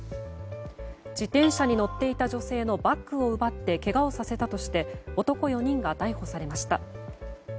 自転車に乗っていた女性のバッグを奪ってけがをさせたとして男４人が逮捕されました。